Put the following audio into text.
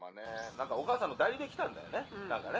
「なんかお母さんの代理で来たんだよねなんかね」